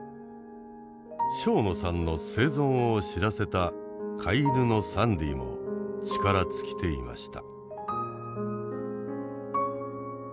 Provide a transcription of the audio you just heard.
庄野さんの生存を知らせた飼い犬のサンディも力尽きていました。